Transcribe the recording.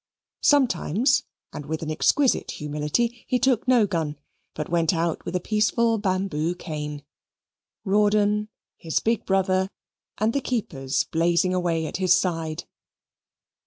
Sometimes, and with an exquisite humility, he took no gun, but went out with a peaceful bamboo cane; Rawdon, his big brother, and the keepers blazing away at his side.